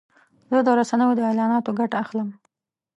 زه د رسنیو د اعلاناتو ګټه اخلم.